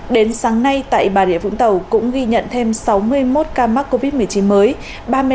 đến sáng nay tại bà rịa vũng tàu cũng ghi nhận thêm sáu mươi một ca mắc covid một mươi chín mới